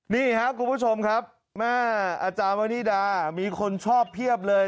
นี่ครับคุณผู้ชมครับแม่อาจารย์วนิดามีคนชอบเพียบเลย